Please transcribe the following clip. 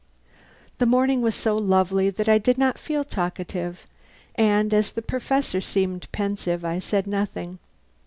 The morning was so lovely that I did not feel talkative, and as the Professor seemed pensive I said nothing.